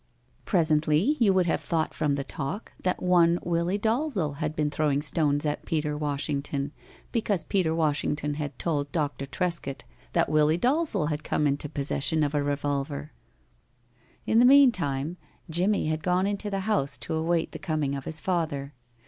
Presently you would have thought from the talk that one Willie Dalzel had been throwing stones at Peter Washington because Peter Washington had told Doctor Trescott that Willie Dalzel had come into possession of a revolver. In the mean time Jimmie had gone into the house to await the coming of his father.